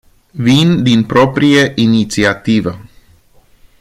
Vin din proprie inițiativă.